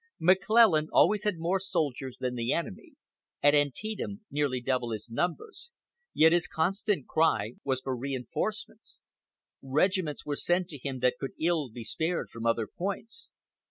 McClellan had always more soldiers than the enemy, at Antietam nearly double his numbers, yet his constant cry was for re enforcements. Regiments were sent him that could ill be spared from other points.